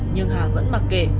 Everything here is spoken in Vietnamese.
nhưng hà vẫn mặc kệ